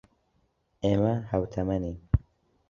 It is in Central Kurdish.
ئێمە ھاوتەمەنین.